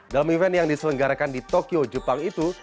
dalam event yang diselenggarakan di tokyo jepang itu